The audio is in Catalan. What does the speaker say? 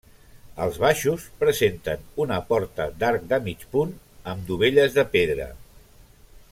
Els baixos presenten una porta d'arc de mig punt amb dovelles de pedra.